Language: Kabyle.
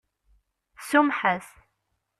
Tsumeḥ-as.